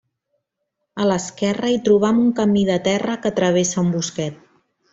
A l'esquerra hi trobam un camí de terra que travessa un bosquet.